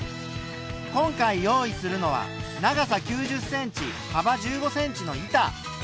今回用意するのは長さ９０ｃｍ幅１５ｃｍの板。